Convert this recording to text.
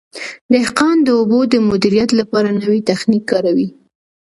دهقان د اوبو د مدیریت لپاره نوی تخنیک کاروي.